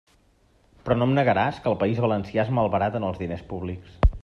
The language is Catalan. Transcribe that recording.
Però no em negaràs que al País Valencià es malbaraten els diners públics.